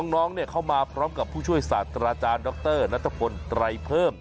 น้องเข้ามาพร้อมกับผู้ช่วยศาสตราจารย์ดรนัทพลไตรเพิ่ม